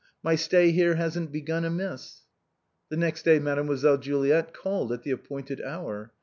My stay here hasn't begun amiss." The next day Mademoiselle Juliet called at the ap pointed hour.